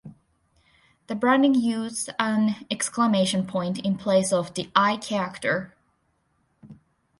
The branding used an exclamation point in place of the "I" character.